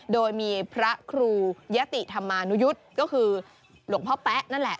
โดยมีพระครูยะติธรรมานุยุทธ์ก็คือหลวงพ่อแป๊ะนั่นแหละ